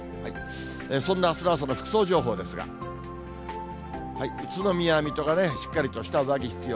そんなあすの朝の服装情報ですが、宇都宮、水戸がしっかりとした上着必要。